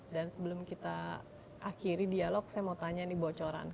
dan sebelum kita akhiri dialog saya mau tanya nih bocoran